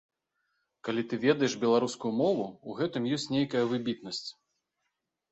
Калі ты ведаеш беларускую мову, у гэтым ёсць нейкая выбітнасць.